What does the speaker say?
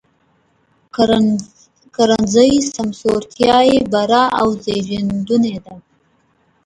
کرنیزه سمسورتیا یې بره او زېږنده ده.